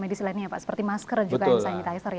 medis lainnya seperti masker dan sanitizer